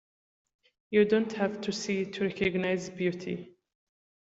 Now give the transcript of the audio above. You don't have to see to recognize beauty.